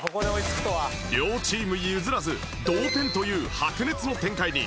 両チーム譲らず同点という白熱の展開に